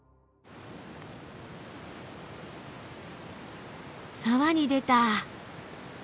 沢に出た。